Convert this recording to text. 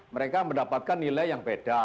mereka mendapatkan nilai yang beda